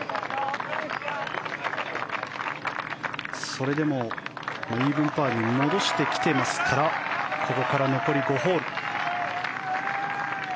それでもイーブンパーに戻してきていますからここから残り５ホール。